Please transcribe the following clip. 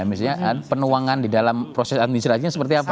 misalnya penuangan di dalam proses administrasinya seperti apa